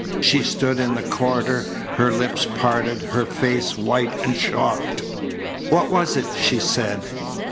She stood in the corridor, her lips parted, her face white and shocked. "What was it?" she said.